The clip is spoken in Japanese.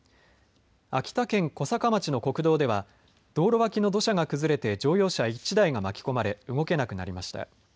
秋田県小坂町の国道では道路脇の土砂が崩れて乗用車１台が巻き込まれ動けなくなりました。